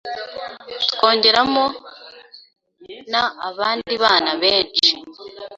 twongeramo na abandi bana benshi